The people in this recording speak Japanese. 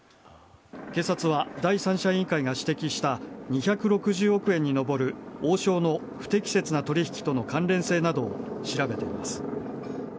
警察は第三者委員会が指摘した２６０億円に上る王将の不適切な取引との関連性など調べています。